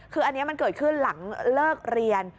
คืออันนี้มันเกิดขึ้นหลังเลิกเรียน